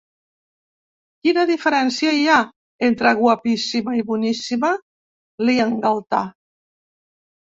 Quina diferència hi ha, entre guapíssima i boníssima? —li engaltà.